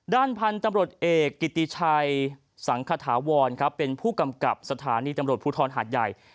ด้านพันธุ์ตำรวจเอกกิติชัยสังขถาวรครับเป็นผู้กำกับสถานีตำรวจภูทรหาดใหญ่